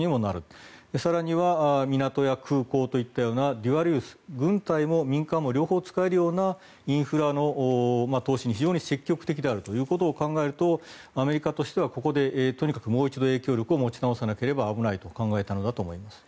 更には港や空港といったような軍隊も民間も両方使えるようなインフラの投資に非常に積極的であるということを考えるとアメリカとしてはここでもう一度、影響力を持ち直さなければ危ないと考えたのだと思います。